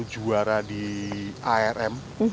selalu juara di arm